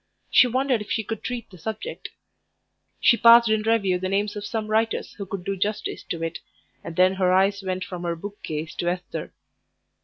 She wondered if she could treat the subject. She passed in review the names of some writers who could do justice to it, and then her eyes went from her bookcase to Esther.